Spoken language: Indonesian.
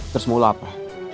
terus mau lo apa